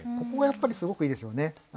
ここがやっぱりすごくいいですよね。